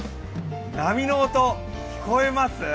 波の音、聞こえます？